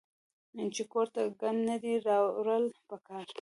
چې کور ته ګند نۀ دي راوړل پکار